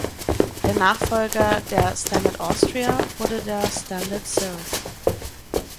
Der Nachfolger der Standard Austria wurde der Standard Cirrus.